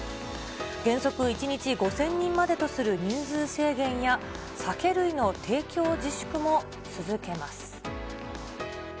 原則１日５０００人までとする人数制限や、酒類の提供自粛も続けます。